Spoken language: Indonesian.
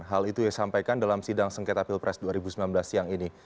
hal itu disampaikan dalam sidang sengketa pilpres dua ribu sembilan belas siang ini